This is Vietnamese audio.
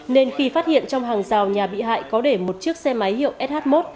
nên khi phát hiện trong hàng rào nhà bị hại có để một chiếc xe máy hiệu sh một